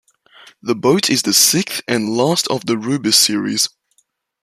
The boat is the sixth and last of the "Rubis" series.